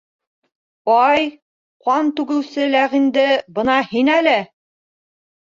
— Ай, ҡан түгеүсе ләғинде, бына һин әле!